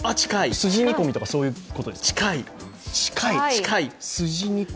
筋煮込みとかそういうことですか？